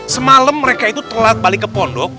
semalam mereka itu telat balik ke pondok